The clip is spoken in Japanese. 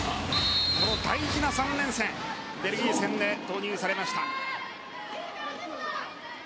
この大事な３連戦ベルギー戦で投入されました。